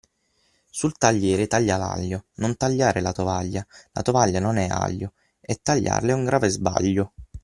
Sul tagliere taglia l'aglio, non tagliare la tovaglia, la tovaglia non è aglio e tagliarla è un grave sbaglio.